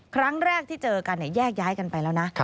ครั้งแรกที่เจอกันแยกย้ายกันไปแล้วนะ